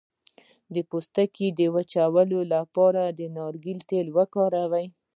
د پوستکي د وچوالي لپاره د ناریل تېل وکاروئ